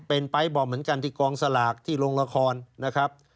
เป็นไปร์บอมเหมือนกันที่กองสลากที่โรงละครนะครับ